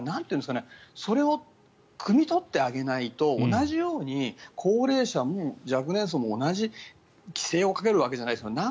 だからそれを汲み取ってあげないと同じように高齢者若年層も同じ規制をかけるわけじゃないですか。